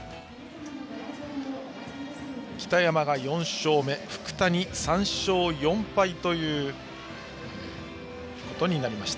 北山が４勝目福谷が３勝４敗となりました。